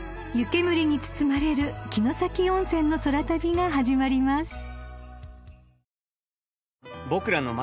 ［湯煙に包まれる城崎温泉の空旅が始まります］